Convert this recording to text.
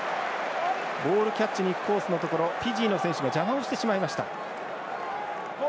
ボールキャッチにいくところフィジーの選手が邪魔をしてしまいました。